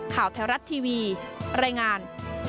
ข่าวแท้รัฐทีวีรายงาน